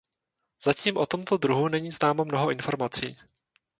Zatím o tomto druhu není známo mnoho informací.